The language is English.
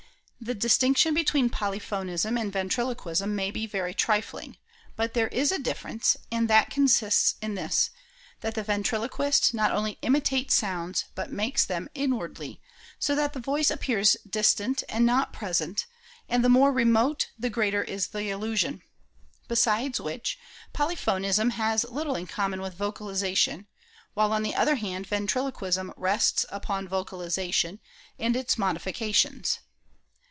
The distinction between Polyphonism and Ventriloquism may be very trifling; but there is a difference, and that consists in this, that the Yentriloquist not only imitates sounds, but makes them "inwardly," so that the voice appears distant, and not present, and the more remote the greater is the illusion. Besides which, Polyphonism has little in common with Yocalization ; while, on the other hand, Ventriloquism rests upon Vocalization and its modifications.